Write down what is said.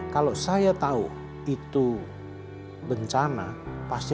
kalau saya tahu itu bencana pasti